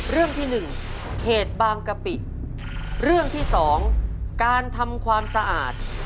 เรื่องที่หนึ่งเขตบางกะปิเรื่องที่สองการทำความสะอาด